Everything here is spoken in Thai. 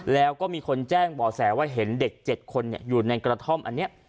แล้วก็มีคนแจ้งบ่อแสว่าเห็นเด็ก๗คนอยู่ในกระท่อมอันนี้